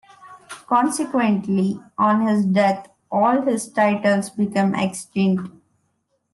Consequently, on his death all his titles became extinct.